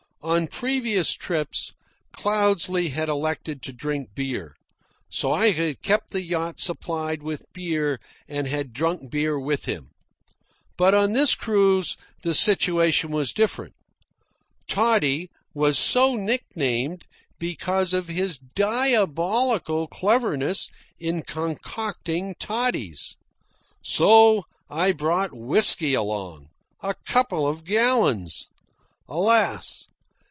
On previous trips Cloudesley had elected to drink beer; so I had kept the yacht supplied with beer and had drunk beer with him. But on this cruise the situation was different. Toddy was so nicknamed because of his diabolical cleverness in concocting toddies. So I brought whisky along a couple of gallons. Alas!